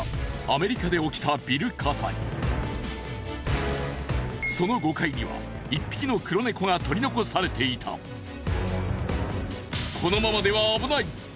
アメリカで起きたビル火災その５階には一匹の黒ネコが取り残されていたこのままでは危ない！